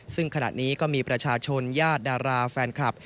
ซึ่งขณะนี้ก็มีประชาชนญาติดาราแฟนคลับ